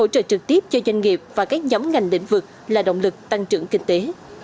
hỗ trợ trực tiếp cho doanh nghiệp và các nhóm ngành lĩnh vực là động lực tăng trưởng kinh tế